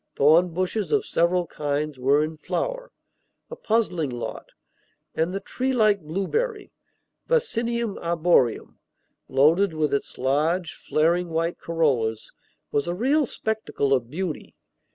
Thorn bushes of several kinds were in flower (a puzzling lot), and the treelike blueberry (Vaccinium arboreum), loaded with its large, flaring white corollas, was a real spectacle of beauty.